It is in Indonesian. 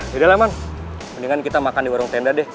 yaudah lah man mendingan kita makan di warung tenda deh